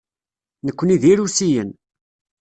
Nekkni d Irusiyen.